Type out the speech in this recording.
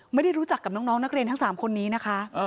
ไม่ได้รู้จักกับน้องนักเรียนทั้ง๓คนนี้นะคะ